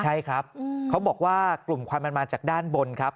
ใช่ครับเขาบอกว่ากลุ่มควันมันมาจากด้านบนครับ